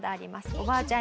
おばあちゃん